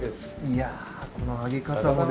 いやこの揚げ方がでも。